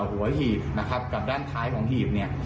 หัวหีบนะครับกับด้านท้ายของหีบเนี่ย